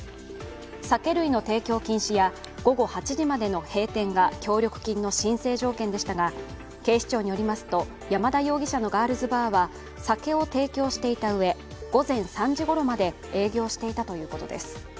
酒類の提供禁止や午後８時までの閉店が協力金の申請条件でしたが警視庁によりますと山田容疑者のガールズバーは酒を提供していたうえ午前３時ごろまで営業していたということです。